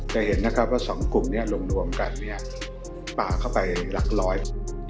จะเห็นว่าสองกลุ่มรวมกันป่าเข้าไปหลักร้อย